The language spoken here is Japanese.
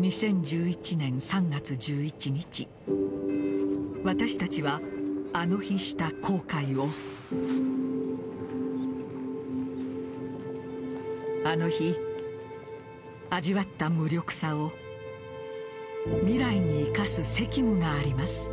２０１１年３月１１日私たちはあの日した後悔をあの日、味わった無力さを未来に生かす責務があります。